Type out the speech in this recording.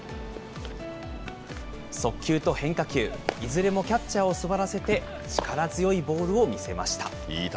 速球と変化球、いずれもキャッチャーを座らせて力強いボールを見せました。